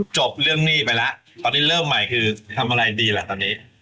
จบเรื่องหนี้ไปแล้วตอนนี้เริ่มใหม่คือทำอะไรดีล่ะตอนนี้